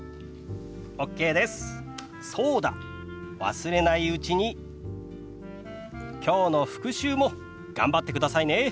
忘れないうちにきょうの復習も頑張ってくださいね。